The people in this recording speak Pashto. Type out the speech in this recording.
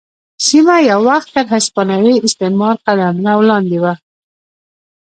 سیمه یو وخت تر هسپانوي استعمار قلمرو لاندې وه.